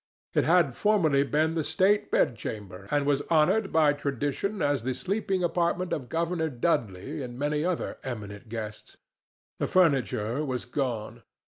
It had formerly been the state bedchamber, and was honored by tradition as the sleeping apartment of Governor Dudley and many other eminent guests. The furniture was gone.